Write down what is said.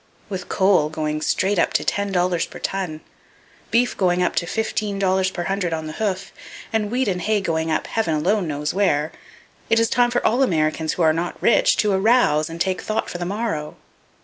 With coal going straight up to ten dollars per ton, beef going up to fifteen dollars per hundred on the hoof and wheat and hay going up—heaven alone knows where, it is time for all Americans who are not rich to arouse and take thought for the morrow.